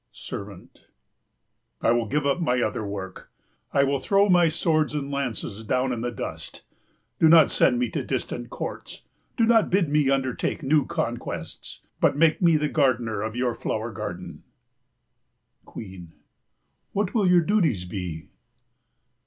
SERVANT. I will give up my other work. I will throw my swords and lances down in the dust. Do not send me to distant courts; do not bid me undertake new conquests. But make me the gardener of your flower garden. QUEEN. What will your duties be?